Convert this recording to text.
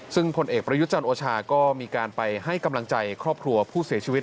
ซึ่งผลเอกประยุจันทร์โอชาก็มีการไปให้กำลังใจครอบครัวผู้เสียชีวิต